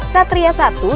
satria satu dinolakkan